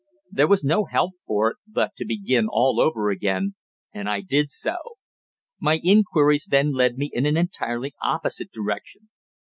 There was no help for it but to begin all over again, and I did so. My inquiries then led me in an entirely opposite direction.